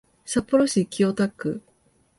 札幌市清田区